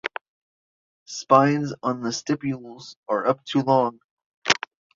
Spines on the stipules are up to long.